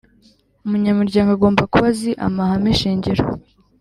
umunyamuryango agomba kuba azi amahame shingiro